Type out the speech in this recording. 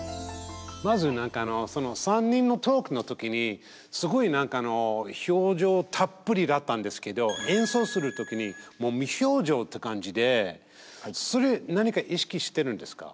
まず３人のトークの時にすごい何か表情たっぷりだったんですけど演奏する時にもう無表情っていう感じでそれ何か意識してるんですか？